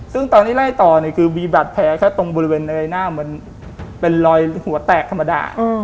ซึ่งตอนที่ไล่ต่อเนี่ยคือมีบาดแผลแค่ตรงบริเวณในหน้าเหมือนเป็นรอยหัวแตกธรรมดา